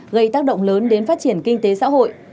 gây tác động lớn đến phát triển kinh tế xã hội